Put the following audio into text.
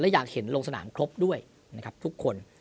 อยากเห็นลงสนามครบด้วยนะครับทุกคน